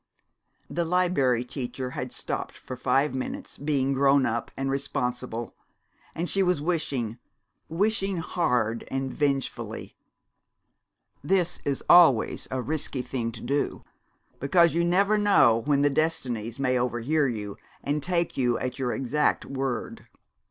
The Liberry Teacher had stopped, for five minutes, being grown up and responsible, and she was wishing wishing hard and vengefully. This is always a risky thing to do, because you never know when the Destinies may overhear you and take you at your exact word.